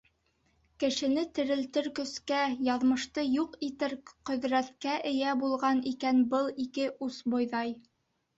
Кешене терелтер көскә, яҙмышты юҡ итер ҡөҙрәткә эйә булған икән был ике ус бойҙай.